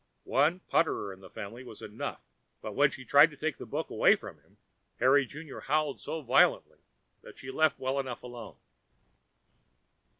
One putterer in the family was enough! But when she tried to take the book away from him, Harry Junior howled so violently that she let well enough alone.